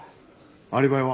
アリバイは？